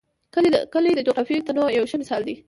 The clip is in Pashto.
کلي د جغرافیوي تنوع یو ښه مثال دی.